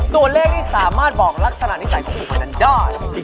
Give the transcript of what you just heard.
ตัวเลขนี่สามารถบอกลักษณะนิสัยของผู้หญิงคนนั้นได้